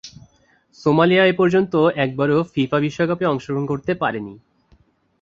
Somalia এপর্যন্ত একবারও FIFA বিশ্বকাপে অংশগ্রহণ করতে পারেনি।